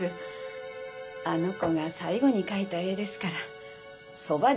あの子が最後に描いた絵ですからそばに置いておきたくて。